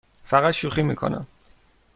فقط شوخی می کنم.